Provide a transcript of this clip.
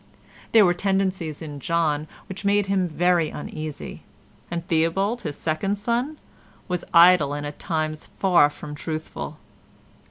There were tendencies in John which made him very uneasy, and Theobald, his second son, was idle and at times far from truthful.